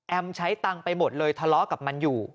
ใช้ตังค์ไปหมดเลยทะเลาะกับมันอยู่